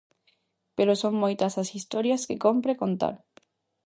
Pero son moitas as historias que cómpre contar.